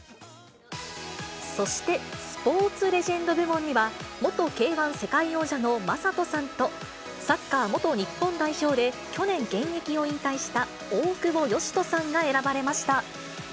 そして、スポーツレジェンド部門には、元Ｋー１世界王者の魔裟斗さんと、サッカー元日本代表で去年、現役を引退した大久保嘉人さんが選ばれました。